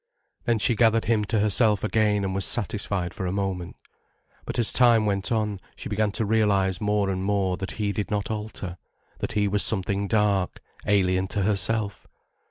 Then she gathered him to herself again and was satisfied for a moment. But as time went on, she began to realize more and more that he did not alter, that he was something dark, alien to herself.